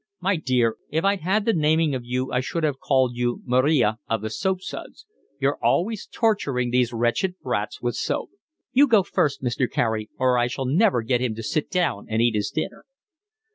"My dear, if I'd had the naming of you I should have called you Maria of the Soapsuds. You're always torturing these wretched brats with soap." "You go first, Mr. Carey, or I shall never get him to sit down and eat his dinner."